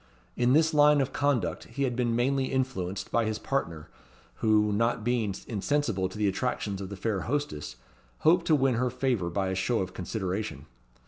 In this line of conduct he had been mainly influenced by his partner, who, not being insensible to the attractions of the fair hostess, hoped to win her favour by a show of consideration.